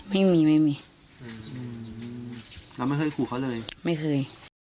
ไม่มีไม่มีอืมเราไม่เคยขู่เขาเลยไม่เคย